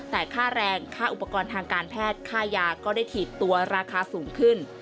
แต่ค่าแรงค่าอุปกรณ์ทางการแพทย์ค่ายาก็ได้ถีบตัวราคาสูงขึ้น